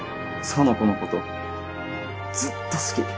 苑子のことずっと好き。